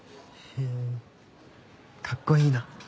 へえかっこいいな。